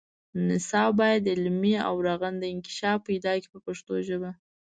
نصاب باید علمي او رغنده انکشاف پیدا کړي په پښتو ژبه.